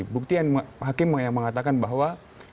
bukti yang hakim mengatakan bahwa